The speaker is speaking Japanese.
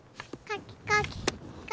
かきかき。